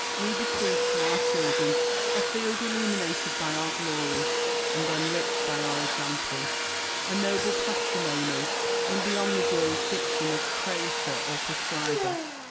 We bequeath to our children a field illuminated by our glory and enriched by our example : a noble patrimony, and beyond the jurisdiction of praetor or proscriber.